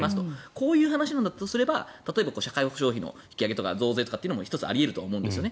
こういう話だとすれば例えば社会保険料の引き上げとか増税とかも１つあり得ると思います。